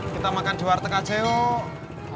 kita makan di warteg aja yuk